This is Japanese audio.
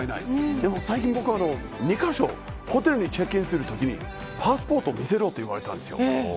でも最近、僕は２カ所ホテルにチェックインするときにパスポートを見せろと言われたんです。